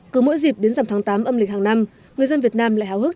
cứ mỗi dịp đến dòng tháng tám âm lịch hàng năm người dân việt nam lại hào hức